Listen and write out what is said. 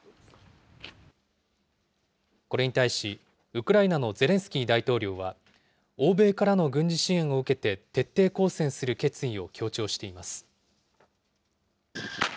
これに対し、ウクライナのゼレンスキー大統領は、欧米からの軍事支援を受けて徹底抗戦する決意を強調しています。